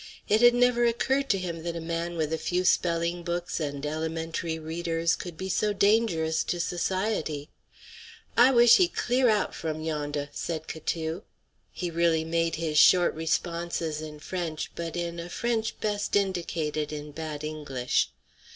It had never occurred to him that a man with a few spelling books and elementary readers could be so dangerous to society. "I wish he clear out from yondeh," said Catou. He really made his short responses in French, but in a French best indicated in bad English.